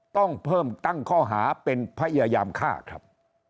ต้องเพิ่มตั้งข้อหาเป็นพยายามฆ่าครับ